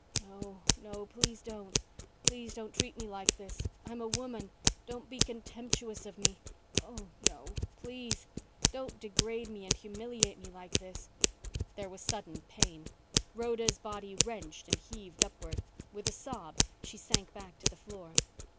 _No no. Please don't. Please don't treat me like this. I'm a woman. Don't be contemptuous of me. Oh, no please. Don't degrade and humiliate me like this._ There was sudden pain. Rhoda's body wrenched and heaved upward. With a sob, she sank back to the floor.